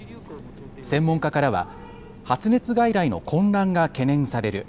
専門家からは発熱外来の混乱が懸念される。